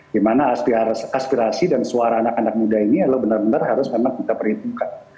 dimana aspirasi dan suara anak anak muda ini adalah benar benar harus memang kita perhitungkan